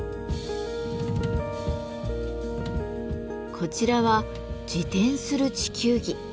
こちらは自転する地球儀。